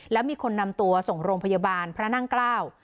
แล้วมีคนนำตัวส่งโรงพยาบาลพระนั่งเกล้า